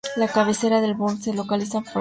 La cabecera del borough, se localiza en Fairbanks.